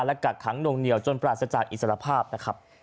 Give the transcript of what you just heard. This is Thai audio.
และกักขังนวงเหนียวจนปราศจากอิสรภาพนะครับ